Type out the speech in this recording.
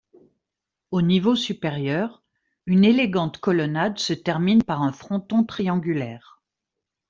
Au niveau supérieur, une élégante colonnade se termine par un fronton triangulaire.